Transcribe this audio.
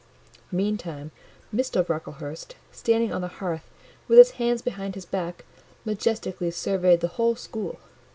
Meantime, Mr. Brocklehurst, standing on the hearth with his hands behind his back, majestically surveyed the whole school.